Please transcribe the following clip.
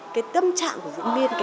cái tâm trạng của diễn viên